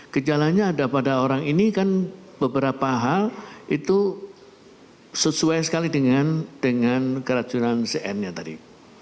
gejalanya ada pada orang ini kan beberapa hal itu sesuai sekali dengan keracunan cn nya tadi